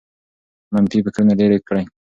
منفي فکرونه لیرې کړئ.